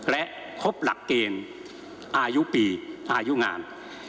และครบหลักเกณฑ์อายุปีอายุงาน